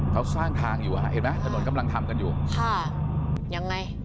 เขาสร้างทางอยู่อ่ะเห็นไหมถนนกำลังทำกันอยู่ค่ะยังไง